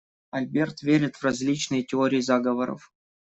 Альберт верит в различные теории заговоров.